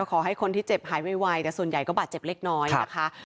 ขอให้คนที่เจ็บหายไวแต่ส่วนใหญ่ก็บาดเจ็บเล็กน้อยนะคะ